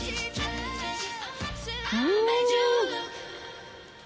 うん！